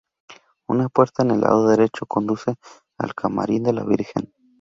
Una puerta en el lado derecho conduce al camarín de la virgen.